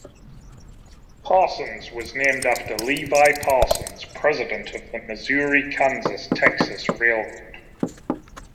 Parsons was named after Levi Parsons, president of the Missouri-Kansas-Texas Railroad.